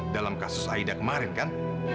dalam kasus aida kemarin kan